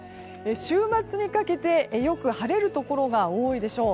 週末にかけてよく晴れるところが多いでしょう。